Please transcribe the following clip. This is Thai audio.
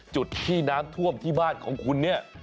จุดที่น้ำท่วมที่บ้านของคุณเนี่ย